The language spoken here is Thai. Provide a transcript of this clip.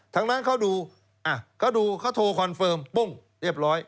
ทั้งนั้นเขาดูเขาดูเขาโทรคอนเฟิร์มปุ้งเรียบร้อย